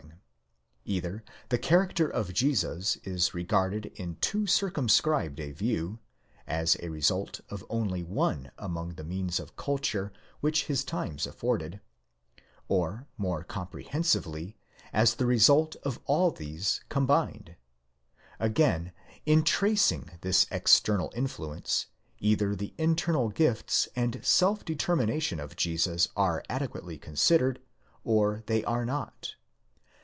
ing : either the character of Jesus is regarded in too circumscribed a view, as the result of only one among the means of culture which his times afforded, or more comprehensively, as the result of all these combined ; again, in tracing this external influence, either the internal gifts and self determination of Jesus are adequately considered, or they are not.